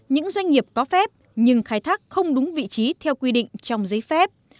nó có vị trí theo quy định trong giấy phép